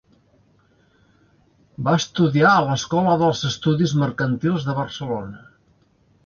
Va estudiar a l'Escola d'Alts Estudis Mercantils de Barcelona.